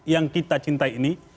yang kita cintai ini